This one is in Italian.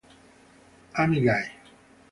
Amy Guy